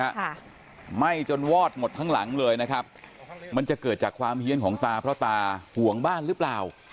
ค่ะไหม้จนวอดหมดทั้งหลังเลยนะครับมันจะเกิดจากความเฮียนของตาเพราะตาห่วงบ้านหรือเปล่า